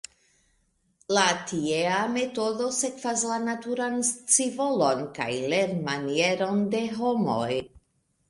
La tiea metodo sekvas la naturan scivolon kaj lernmanieron de homoj.